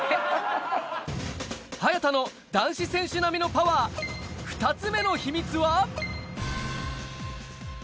早田の男子選手並みのパワー、２つ目の秘密は。